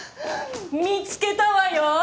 見つけたわよ！